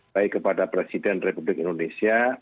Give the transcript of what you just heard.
baik kepada presiden republik indonesia